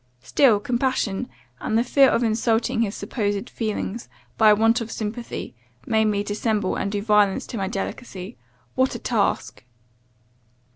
Still, compassion, and the fear of insulting his supposed feelings, by a want of sympathy, made me dissemble, and do violence to my delicacy. What a task!